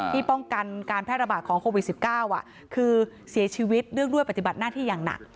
ป้องกันการแพร่ระบาดของโควิด๑๙คือเสียชีวิตเนื่องด้วยปฏิบัติหน้าที่อย่างหนัก